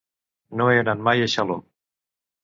No he anat mai a Xaló.